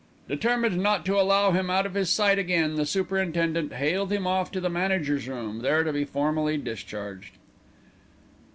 Determined not to allow him out of his sight again, the superintendent haled him off to the manager's room, there to be formally discharged.